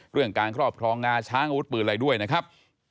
เรื่องการเคราะห์พลองงาช้างอาวุธปืนอะไรด้วยนะครับ